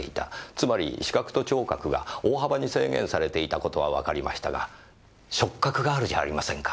つまり視覚と聴覚が大幅に制限されていた事はわかりましたが触覚があるじゃありませんか。